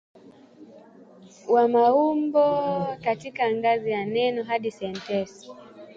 wa maumbo katika ngazi ya neno hadi sentensi